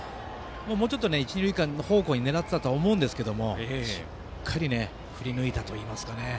もうちょっと一、二塁間方向に狙っていたと思いますがしっかり振り抜いたといいますか。